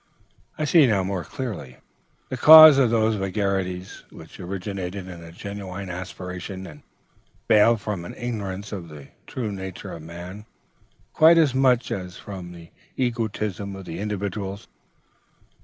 I see now, more clearly, the causes of those vagaries, which originated in a genuine aspiration, and failed from an ignorance of the true nature of Man, quite as much as from the egotism of the individuals.